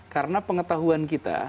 karena pengetahuan kita